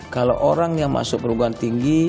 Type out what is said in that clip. kalau orang yang masuk perguruan tinggi